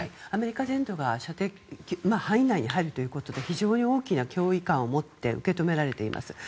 アメリカ全土が範囲内に入るということで非常に脅威を持って受け止められています。